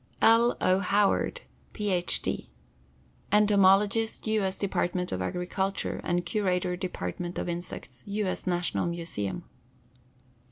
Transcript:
L. O. HOWARD, PH. D., Entomologist U. S. Department of Agriculture, and Curator Department of Insects, U. S. National Museum.